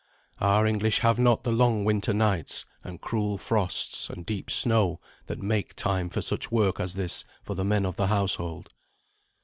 Our English have not the long winter nights, and cruel frosts, and deep snow that make time for such work as this for the men of the household.